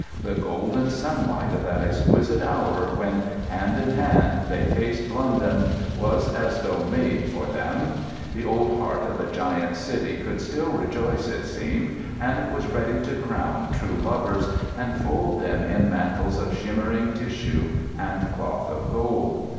The golden sunlight of that exquisite hour when, hand in hand, they faced London was as though made for them; the old heart of the giant city could still rejoice, it seemed, and was ready to crown true lovers, and fold them in mantles of shimmering tissue and cloth of gold.